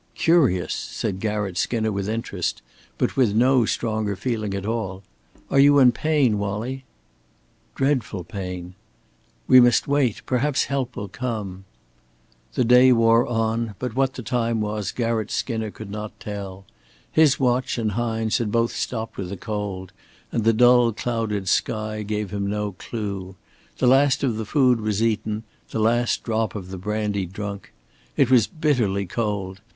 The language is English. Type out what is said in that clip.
"Curious," said Garratt Skinner with interest, but with no stronger feeling at all. "Are you in pain, Wallie?" "Dreadful pain." "We must wait. Perhaps help will come!" The day wore on, but what the time was Garratt Skinner could not tell. His watch and Hine's had both stopped with the cold, and the dull, clouded sky gave him no clue. The last of the food was eaten, the last drop of the brandy drunk. It was bitterly cold.